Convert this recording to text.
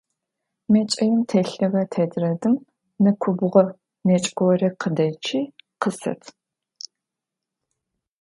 МэкӀаим телъыгъэ тетрадым нэкӀубгъо нэкӀ горэ къыдэчи, къысэт.